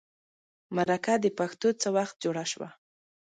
مرکه د پښتو څه وخت جوړه شوه.